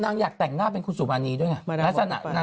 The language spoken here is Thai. นางอยากแต่งหน้าเป็นคุณสุมานีด้วยไง